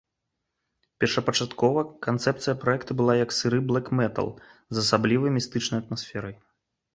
Першапачаткова канцэпцыя праекта была як сыры блэк-метал з асаблівай містычнай атмасферай.